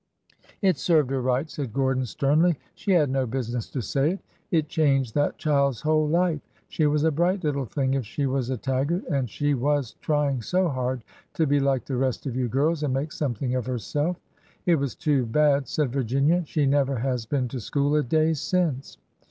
It served her right," said Gordon, sternly. She 54 ORDER NO. 11 had no business to say it. It changed that chiid'st whole life. She was a bright little thing, if she was a Taggart, and she was trying so hard to be like the rest of you girls and make something of herself.'' '' It was too bad," said Virginia. '' She never has been to school a day since."